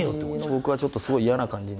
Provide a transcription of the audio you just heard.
僕はちょっとすごい嫌な感じ？